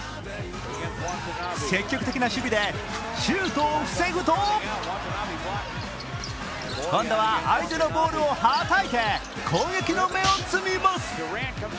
積極的な守備でシュートを防ぐと今度は相手のボールをはたいて攻撃の芽を摘みます。